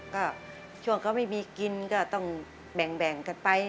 ก็ช่วงเขาไม่มีกินก็ต้องแบ่งกันไป